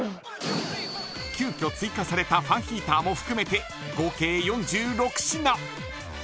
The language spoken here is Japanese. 急きょ追加されたファンヒーターも含めて合計４６品。